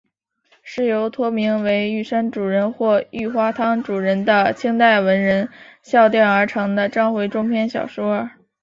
是由托名为玉山主人或玉花堂主人的清代文人校订而成的章回中篇小说。